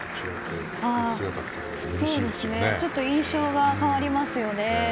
ちょっと印象が変わりますよね。